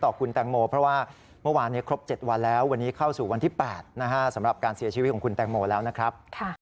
ต่อเนื่องเลยครับช่วงนี้กำลังถักมาต่อเนื่องครับ